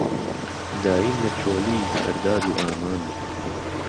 داييم له چۆلی هەر داد و ئامان